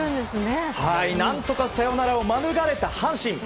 何とかサヨナラを免れた阪神。